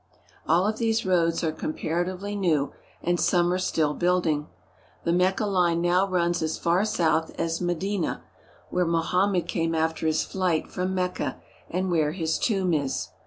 All of these roads are comparatively new, and some are still building. The Mecca line now runs as far south as Medina, where Mohammed came after his flight from Mecca, and where his tomb is.